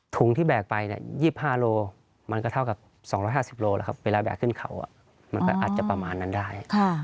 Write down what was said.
ถุงที่แบกไป๒๕โลวินาทีก็เท่ากับ๒๕๐โลวินาทีแล้วแบกถึงเขาอาจจะเป็นนั้นได้